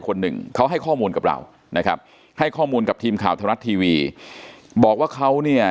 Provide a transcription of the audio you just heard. คนหนึ่งเขาให้ข้อมูลกับเรานะครับให้ข้อมูลกับทีมข่าวธรรมรัฐทีวีบอกว่าเขาเนี่ย